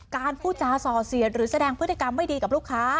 พูดจาส่อเสียดหรือแสดงพฤติกรรมไม่ดีกับลูกค้า